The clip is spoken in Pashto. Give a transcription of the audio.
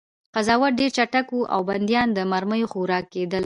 قضاوت ډېر چټک و او بندیان د مرمیو خوراک کېدل